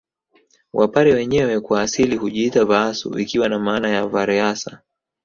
Wapare wenyewe kwa asili hujiita Vaasu ikiwa na maana ya vareasa